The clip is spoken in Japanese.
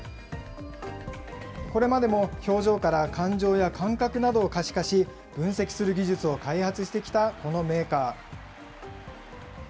これまでも、表情から感情や感覚などを可視化し、分析する技術を開発してきたこのメーカー。